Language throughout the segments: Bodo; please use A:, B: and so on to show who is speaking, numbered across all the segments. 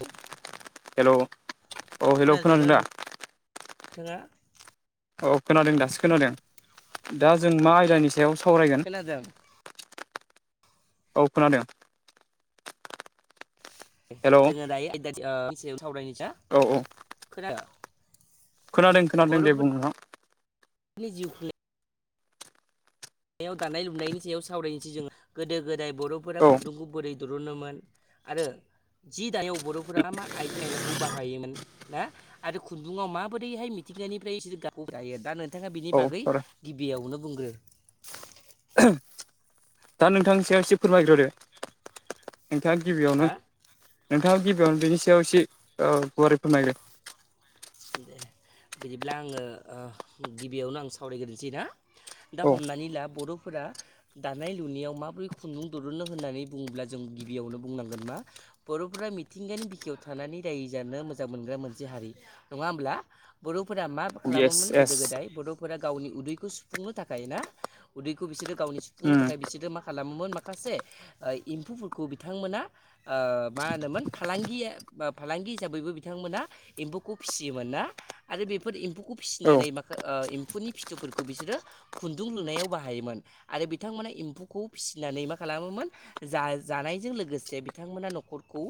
A: औ
B: हेल' हेल' खोनादों
A: खोनादोंना
B: दा
A: नों थाङा?
B: औ खोनादों दासो खोनादों। दा जों मा आयदानि सायाव सावरायगोन?
A: [unintelligible]
B: औ खोनादों। हेल' औ
A: जोङो दायो [unintelligible]
B: औ औ
A: खोना
B: खोनादों खोनादों दे बुंनो [unintelligible]
A: [unintelligible] याव दानाय लुनायनि सायाव सावरायनोसै जोङो गोदो गोदाय बर'फोरा
B: औ
A: खुुन्दुंखौ बोरै दिरुनमोन आरो जि दायाव बर'फोरा मा आइजें आयलाखौ बाहायोमोन ना आरो खुन्दुङआव माबोरैहाय मिथिंगानिफ्रायसोर गाब जायो दा नोंथाङा बिनि
B: औ
A: बागै
B: सार
A: गिबियावनो बुंग्रो।
B: दा नोंथांनि सायाव एसे फोरमायग्रोदो नोंथाङा गिबियावनो
A: हा
B: नोंथाङा गिबियावनो बिनि सायाव एसे ओ गुवारै फोरमायदो।
A: दे बिदिब्ला आङो गिबियावनो आं सावरायग्रोसै ना दा
B: औ
A: हमनानै ला बर'फोरा दानाय लुनायाव माबोरै खुन्दुं दिरुनो होननानै बुङोब्ला जों गिबियावनो बुंनांगोन मा बर'फोरा मिथिंगानि बिखायाव थानानै रायजो जानो मोजां मोनग्रा मोनसे हारि नङा होमब्ला बर'फोरा मा
B: येस
A: खालामोमोन
B: येस
A: गोदो गोदाय बर' फोर गावनि उदैखौ सुफुंनो थाखाय ना उदैखौ बिसोरो गावनि सुफुंनो
B: उम
A: थाखाय बिसोरो मा खालामोमोन मा खासे एम्फौफोरखौ बिथांमोना ओ मा होनोमोन फालांगिया फालांगि हिसाबैबो बिथांमोना एम्फौखौ फिसियोमोन ना आरो बेफोर एम्फौखौ
B: औ
A: फिसिनानै माखा ओ एम्फौनि फिथुफोरखौ बिसोरो खुन्दुं लुनायाव बाहायोमोन आरो बिथांमोना इम्फुखौ फिसिनानै मा खालामोमोन जा जानायजों लोगोसे बिथांमोना न'खरखौ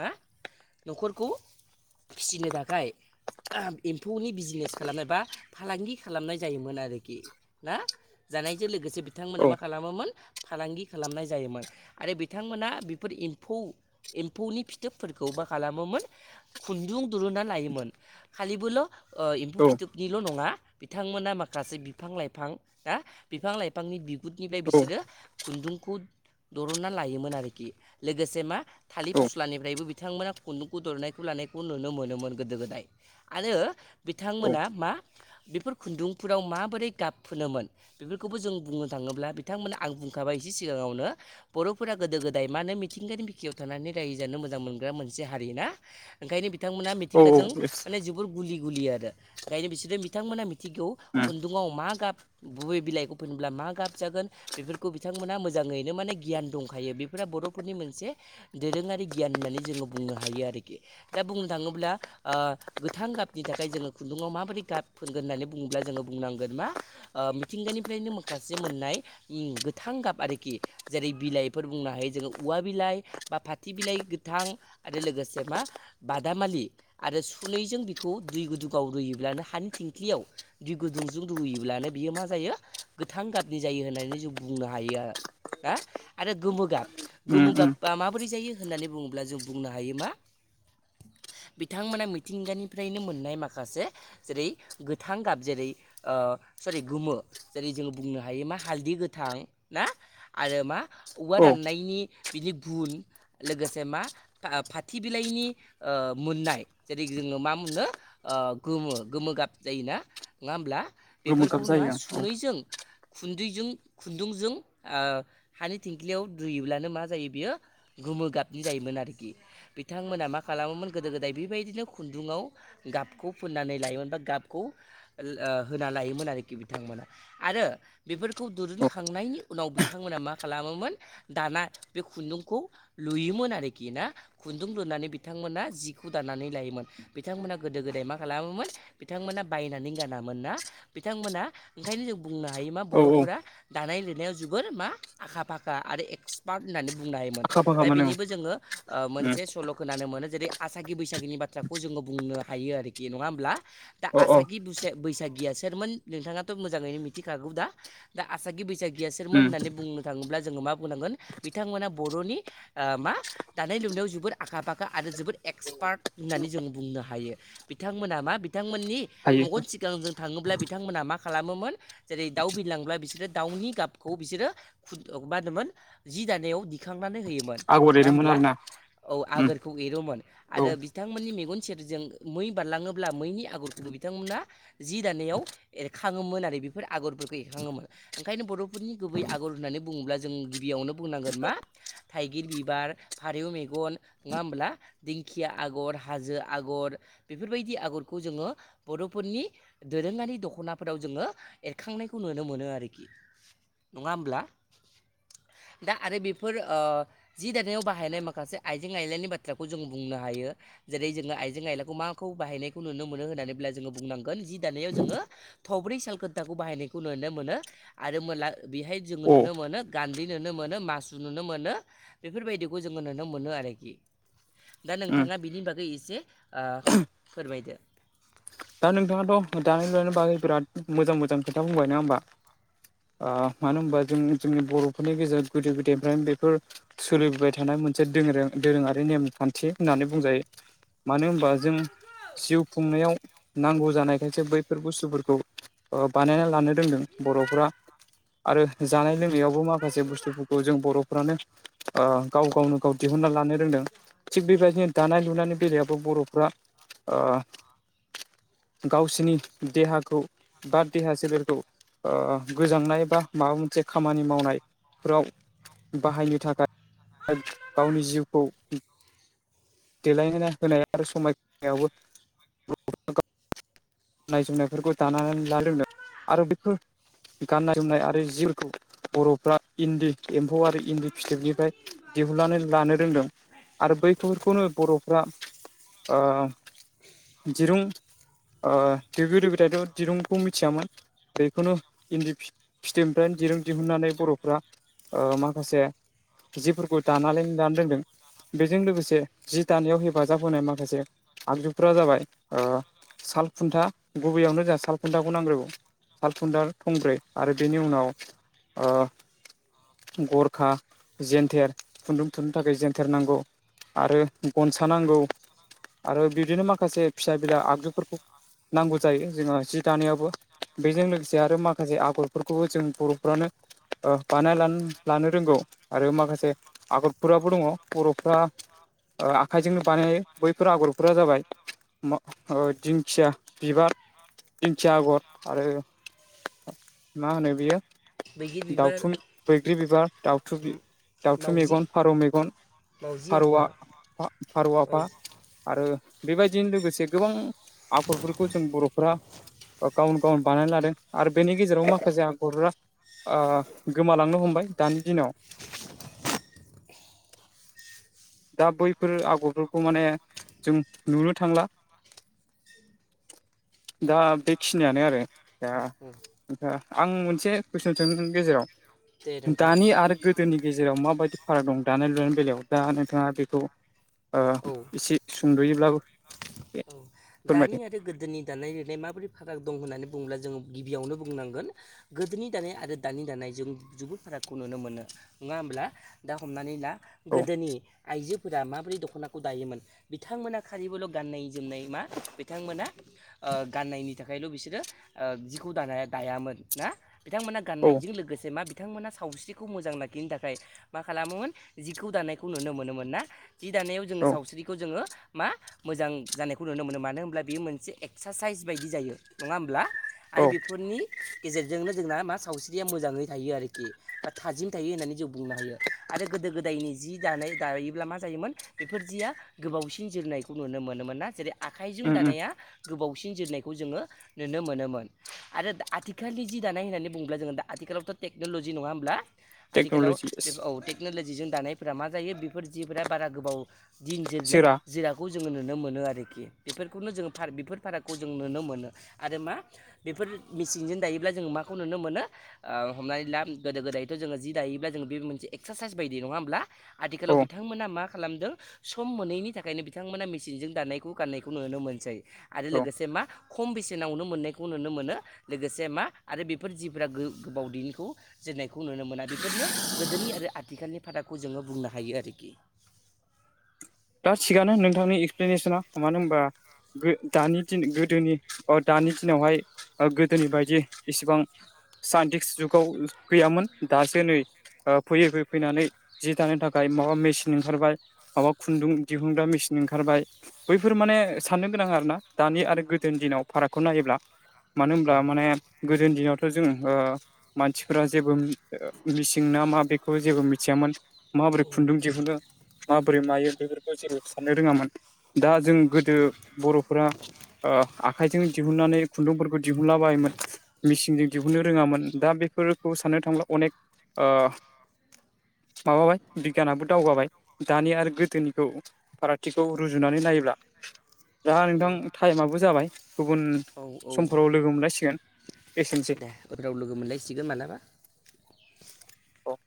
A: बा न'खरखौ फिसिनो थाखाय एम्फौनि बिजिनेस खालामनाय बा फालांगि खालामनाय जायोमोन आरोखि ना। जानायजों लोगोसे बिथांमोना
B: औ
A: मा खालामोमोन फालांगि खालामनाय जायोमोन आरो बिथांमोना बेफोर एम्फु एम्फुनि फिथोबफोरखौ मा खालामोमोन खुन्दुं दुरुना लायोमोन खालि बोल' ओ एम्फु
B: औ
A: फिथोबनिल' नङा बिथांमोना माखासे बिफां लाइफां ना बिफां लाइफांनि बिगुदनिफ्राय बिसोरो खुन्दुंखौ द'रनना लायोमोन आरोखि लोगोसे मा थालिर
B: औ
A: फस्लानिफ्रायबो बिथांमोना खुन्दुंखौ दुरनायखौ लानायखौ नुनो मोनोमोन गोदो गोदाय। आरो
B: औ
A: बिथांमोना मा बेफोर खुन्दुंफोराव माबोरै गाब फुनोमोन? बेफोरखौबो जों बुंनो थाङोब्ला बिथांमोना आं बुंखाबाय एसे सिगाङावनो बर'फोरा गोदो गोदाय मा मिथिंगायानि बिखिायाव थानानै रायजो जानो मोजां मोनग्रा मोनसे हारि ना। ओंखायनो बिथांमोनहा
B: औ
A: मिथिंगाजों
B: येस
A: माने जोबोर गुलि गुलि आरो। ओंखायनो बिसोरो बिथांमोना मिथिगौ
B: उम
A: खुन्दुंआव मा गाब बबे बिलाइखौ फुनोब्ला मा गाब जागोन बेफोरखौ बिथांमोनहा मोजाङैनो माने गियान दंखायो बेफोर बर'फोरनि मोनसे दोरोङारि गियान होननानै जोङो बुंनो हायो आरोखि दा बुंनो थाङोब्ला ओ गोथां गाबनि थाखाय जोङो खुन्दुङाव माबोरै गाब फोनगोन होननानै बुङोब्ला जोङो बुंनांगोन मा ओ मिथिंगानिफ्रायनो माखासे मोननाय गोथां गाब आरोखि जेरै बिलाइफोर बुंनो हायो जोङो औवा बिलाइ बा फाथि बिलाइ गोथां आरो लोगोसे मा बादामालि आरो सु नैजों बि बेखौ दै गुदुङाव रुयोब्लानो हानि थिंख्लियाव दै गुदुंजों रुयोब्लानो बियो मा जायो गोथां गाबनि जायो होननानै जों बुंनो हायो। ना आरो गोमो गाब
B: उम
A: गोमो
B: उम
A: गाबा माबोरै जायो होननानै बुङोब्ला जों बुंनो हायो मा बिथांमोना मिथिंगानिफ्रायनो मोननाय माखासे जेरै गोथां गाब जेरै सरि गोमो जेरै जोङो बुंनो हायो मा हालदै गोथां ना आरो मा औवा
B: औ
A: राननायनि बिदि बुन लोगोसे मा फाथि बिलाइनि मोननाय जेरै जोङो मा मोनो गोमो गोमो गाब जायोना नङा होमब्ला
B: गोमो
A: बेफोरखौ
B: गाब
A: नङा
B: जायो आं
A: सुनैजों खुन्दैजों खुन्दुंजों हानि थिेंख्लियाव रुयोब्लानो मा जायो बेयो गोमो गाबनि जायोमोन आरोखि बिथांमोना मा खालामोमोन गोदो गोदाय बेबायदि बिदिनो खुन्दुुंङाव गाबखौ फोननानै लायोमोन बा गाबखौ होना लायोमोन आरोखि बिथांमोना आरो बेफोरखौ
B: औ
A: दिरुनखांनायनि उनाव बिथांमोना मा खालामोमोन दाना बे खुन्दुंखौ लुयोमोन आरोखि ना खुन्दुं लुनानै बिथांमोना जिखौ दानानै लायो बिथांमोना गोदो गोदाय मा खालामोमोन बिथांमोना बायनानै गानामोन ना बिथांमोना ओंखायनो जों बुंनो हायो मा
B: औ औ
A: बर'फोरा दानाय लुनायाव जोबोर मा आखा फाखा आरो पार्ट होननानै बुंनो हायोमोन
B: आखा
A: दा
B: फाखामोन ओं
A: बेनिबो जोङो
B: उम
A: मोनसे सल' खोनानो मोनो जेरै आसागि बैसागिनि बाथ्राखौ जोङो बुंनो हायो आरोखि नङा होमब्ला दा
B: अ अ
A: आसागि बैसागियासो सोरमोन नोंथाङाथ' मोजाङैनो मिथिखागौ दा दा आसागि बैसागिया सोरमोन
B: उम
A: होननानै बुंनो थाङोब्ला जोङो मा बुंनांगोन बिथांमोना बर'नि मा दानाय लुनायाव जोबोद आखा फाखा आरो जोबोद एक्सपार्ट होननानै जों बुंनो हायो बिथांमोना मा बिथांमोननि
B: हायो
A: मेगन सिगांजों थाङोब्ला बिथांमोनहा मा खालामोमोन जेरै दाउ बिरलांब्ला बिसोरो दाउनि गाबखौ बिसोरो मा होनोमोन जि दानायाव थुखांनानै होयोमोन
B: आगर
A: नङा
B: एरोमोन
A: होमब्ला
B: आरोना
A: औ
B: उम
A: आगरखौ एरोमोन
B: औ
A: आरो बिथांमोननि मेगन सेरजों मै बारलाङोब्ला मैनि आगरखौबो बिथांमोनहा जि दानायाव एरखाङोमोन आरो बेफोर आगरफोरखौ एरखाङोमोन ओंखायनो बर'फोरनि गुबै आगर होननानै बुङोब्ला जों गिबियावनो बुंनांगोन मा थाइगिर बिबार फारौ मेगन नङा होमब्ला दिंखिया आगर हाजो आगर बेफोरबायदि आगरखौ जोङो बर'फोरनि दोरोङारि दख'नाफोराव जोङो एरखांनायखौ नुनो मोनो आरोखि नङा होमब्ला दा आरो बेफोर ओ जि दानायाव बाहायनाय माखासे आइजें आयलानि बाथ्राखौ जों बुंनो हायो जेरै जोङो आइजें आइलाखौ माखौ बाहायनायखौ नुनो मोनो होननानै बुङोब्ला जोङो बुंनांगोन जि दानायाव जोङो थब्रै सालखुन्थाखौ बाहायनायखौ नुनो मोनो आरो मोनला बेहाय जोंङो
B: अ
A: नुनो मोनो गान्दिै नुनो मोनो मासु नुनो मोनो बेफोरबायदिखौ जोङो नुनो मोनो आरोखि दा
B: उम
A: नोंथाङा बिनि बागै एसे फोरमायदो
B: दा नोंथाङाथ' दानि लु बाहै बिराद मोजां मोजां खोथा बुंबाय नङा होमबा मानो होनबा जों जोंनि बर'फोरनि गेजेराव गोदो गोदायनिफ्राय बेफोर सोलिबोबाय थानाय मोनसे द दोरोङारि नेमखान्थि होननानै बुंजायो मानो होनबा जों जिउ खुंनायाव नांगौ जानायखायसो बैफोर बुस्थुफोरखौ बानायना लानो रोंदों बर'फ्रा आरो जानाय लोंनायावबो माखासे बुस्थुफोरखौ जों बर'फ्रानो गाव गावनो गाव दिहुनना लानो रोंदों थिग बेबायदिनो दानाय लुनायनि बेलायाबो बर'फ्रा गावसिोरनि देहाखौ बा देहा सोलेरखौ गोजांनाय बा माबा मोनसे खामानि मावनाय फोराव बाहायनो थाखाय गावनि जिउखौ देलायना होनाया आरो समायायावबो [unintelligible] नाय जोमनायफोरखौ दानानै लानो रोंदों आरो बेखौ गाननाय जोमनाय आरो जिखौ बर'फ्रा इन्दि एम्फौ आरो इन्दि फिथोबनिफ्राय दिहुननानै लानो रोंदों आरो बैखौ खौनो बर'फ्रा दिरुं ओ दो गोदो गोदायथ' दिरुंखौ मिथियामोन बेखौनो इन्दि फिथोबनिफ्रायनो दिरुं दिहुननानै बर'फ्रा माखासे जिफोरखौ दानानैनोलानो रोंदों बेजों लोगोसे जि दानायाव हेफाजाब होनाय माखासे आगजुफोरा जाबाय सालखुन्था गुबैयावनो जोंहा सालखुन्थाखौ नांग्रोगौ सालखुनन्दार थंब्रै आरो बेनि उनाव गरखा जेन्थेर खुन्दुं थुुंनो थाखाय जेन्थेर नांगौ आरो गनसा नांगौ आरो बिदिनो माखासे फिसा बिला आगजुफोरखौ नांगौ जायो जोङो जि दानायावबो बेजों लोगोसे आरो माखासे आगरफोरखौबो जों बर'फ्रानो बानाय लानो रोंगौ आरो माखासे आगरफोराबो दङ बर'फ्रा आखाइजोंनो बानायनाय बैफोर आगरफोरा जाबाय दिंखिया बिबार दिंखिया आगर आरो मा होनो बियो
A: बैग्रि बिबार
B: दावथुम बैग्रि बिबार द दाउथु
A: मावजि
B: मेगन फारौ मेगन
A: मावजि आफा
B: फारौआ फारौ आफा
A: मावजि
B: आरो बेबायदिनो लोगोसे गोबां आगरफोरखौ जों बर'फोरा गावन गावन बानायना लादों आरो बेनि गेजेराव माखासे आगरा ओ गोमालांनो हमबाय दानि दिनाव दा बैफोर आगरफोरखौ माने जों नुनो थांला
A: [inaudible]
B: दा बेखिनियानो आरो दा आ आं मोनसे कुइसन सोंनि
A: दे
B: गेजेराव
A: नोंथां
B: दानि आरो गोदोनि गेजेराव माबायदि फाराग दं दानाय लुनाय बेलायाव दा नोंथाङा बेखौ
A: औ
B: एसे सुंद'योब्लाबो
A: औ दानि
B: फोरमायदो
A: आरो गोदोनि दानाय लुनाय माबोरै फाराग दं होननानै बुङोब्ला जोङो गिबियावनो बुंनांगोन गोदोनि दानाय आरो दानि दानाय जों जुबोद फारागखौ नुनो मोनो नङा होमब्ला दा हमनानै ला
B: औ
A: गोदोनि आइजोफोरा माबोरै दख'नाखौ दायोमोन बिथांमोना खालिबोल' गाननाय जोमनाय मा बिथांमोना ओ गाननायनि थाखायल' बिसोरो ओ जिखौ दानाया दायामोन ना बिथांमोना
B: औ
A: गाननायजों लोगोसे मा बिथांमोना सावस्रिखौ मोजां लाखिनो थाखाय मा खालामोमोन जिखौ दानायखौ नुनो मोनोमोन ना जि दानायाव जोङो
B: औ
A: सावस्रिखौ जोङो मा मोजां जानायखौ नुनो मोनो मानो होनोमब्ला बेयो मोनसे एक्सारसाइस बायदि जायो नङा होमब्ला
B: औ
A: आरो बेफोरनि गेजेरजोंनो जोंना मा सावस्रिया मोजाङै थायो आरोखि बा थाजिम थायो होननानै जों बुंनो हायो आरो गोदो गोदायनि जि दानाय दायोब्ला मा जायोमोन बेफोर जिया गोबावसिन जोरनायखौ नुनो मोनोमोना जेरै आखाइजों
B: उम उम
A: दानाया गोबावसिन जोरनायखौ जोङो नुनो मोनोमोन आरो, आथिखालनि जि दानाय होननानै बुङोब्ला जोङो दा आथिखालावथ' टेक्न'ल'जि नङा होमब्ला आथिखालाव
B: टेक्न'लजि
A: बे औ टेक्न'लजिजों दानायफोरा मा जायो बेफोर जिफोरा बारा गोबाव दिन जे
B: सोरा
A: जिराखौ जोङो नुनो मोनो आरोखि बेफोरखौनो जोङो फाराग बेफोर फारागखौ जों नुनो मोनो आरो मा बेफोर मेसिनजों दायोब्ला जों माखौ नुनो मोनो ओ हमनानै ला गोदो गोदायथ' जोङो जि दायोब्ला जोङो बे मोनसे एक्सारसाइस बायदि नङा होमब्ला! आथिखालाव
B: औ
A: बिथांमोना मा खालामदों सम मोनैनि थाखायनो बिथांमोना मेसिनजों दानायखौ गाननायखौ नुनो मोनसै आरो
B: औ
A: लोगोसे मा खम बेसेनावनो मोननायखौ नुनो मोनो लोगोसे मा आरो बेफोर जिफोरा गोबावदैनिखौ जेननायखौ नुनो मोना बेफोरनो गोदोनि आरो आथिखालनि फादाखौ जोङो बुंनो हायो आरोखि।
B: दा थिगानो नोंथांनि एक्सप्लेनेसना मानो होनोमबा गो दानि दिन गोदोनि अ दानि दिनावहाय ओ गोदोनि बायदि इसिबां साइन्टिस जुगाव गैयामोन दासो नै ओ फैयै फैयै फैनानै जि थानो थाखाय माबा मेसिन ओंखारबाय। माबा खुन्दुं दिहुनग्रा मेचिन ओंखारबाय बैफोर माने साननो गोनां आरोना दानि आरो गोदोनि दिनाव फारागखौ नायोब्ला। मानो होनब्ला माने गोदोनि दिनावथ' जों ओ मानसिफोरा जेबो मिसिं ना मा बेखौ जेबो मिथियामोन। माबोरै खुन्दुं दिहुनो माबोरै मायो बेफोरखौ जेबो साननो रोंङामोन। दा जों गोदो बर'फोरा आखाइजों ओ दिहुननानै खुन्दुंफोरखौ दिहुनलाबायोमोन। मेसिनजों दिहुननो रोङामोन दा बेफोरखौ साननो थांब्ला अनेक ओ माबाबाय बिगियानाबो दावगाबाय दानि आरो गोदोनि औ फारागथिखौ रुजुनानै नायोब्ला दा नोंथां टाइमाबबो जाबाय गुबुन
A: औ औ
B: समफोराव लोगो मोनलायसिगोन। एसेनोसै
A: दे उनाव लोगो मोनलायसिगोन मालाबा।
B: औ